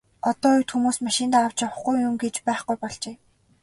Одоо үед хүмүүс машиндаа авч явахгүй юм гэж байхгүй болжээ.